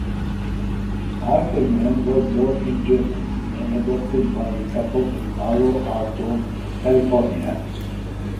Ackerman was born in Germany and adopted by a couple in Palo Alto, California.